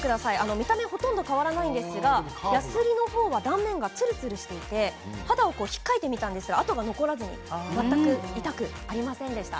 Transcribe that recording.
見た目はほとんど変わらないんですがやすりの方は断面がつるつるしていて実際、肌をひっかいてみても痕が残らずに全く痛くなかったです。